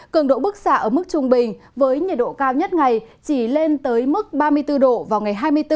cường độ bức xạ ở mức trung bình với nhiệt độ cao nhất ngày chỉ lên tới mức ba mươi bốn độ vào ngày hai mươi bốn